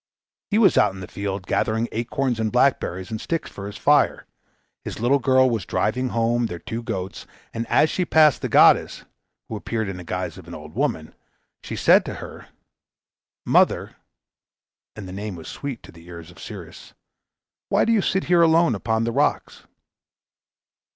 He was out in the field, gathering acorns and blackberries, and sticks for his fire. His little girl was driving home their two goats, and as she passed the goddess, who appeared in the guise of an old woman, she said to her, "Mother," and the name was sweet to the ears of Ceres, "why do you sit here alone upon the rocks?"